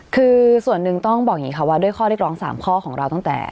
คือส่วนหนึ่งต้องบอกอย่างนี้ค่ะว่าด้วยข้อเรียกร้อง๓ข้อของเราตั้งแต่